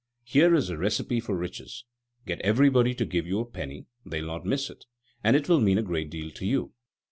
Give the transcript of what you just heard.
Here is a recipe for riches: get everybody to give you a penny; they'll not miss it, and it will mean a great deal to you.